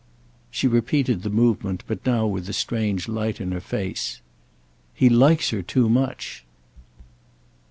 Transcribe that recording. She repeated the movement, but now with a strange light in her face. "He likes her too much."